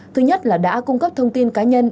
thứ nhất là đã cung cấp thông tin cá nhân